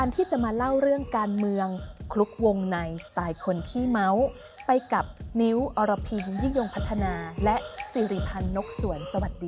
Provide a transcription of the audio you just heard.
แต่งงานกันเลย